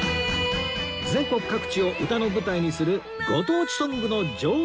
全国各地を歌の舞台にする「ご当地ソングの女王」とも呼ばれています